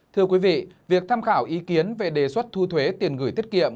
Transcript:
thưa quý vị việc tham khảo ý kiến về đề xuất thu thuế tiền gửi tiết kiệm